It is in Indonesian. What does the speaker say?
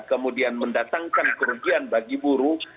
kemudian mendatangkan kerugian bagi buruh